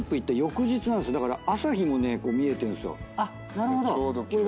なるほど。